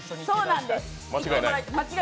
そうなんです！